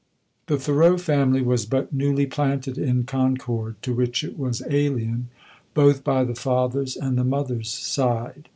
The Thoreau family was but newly planted in Concord, to which it was alien both by the father's and the mother's side.